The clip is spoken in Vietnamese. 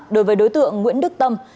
đối với đối tượng nguyễn đức tâm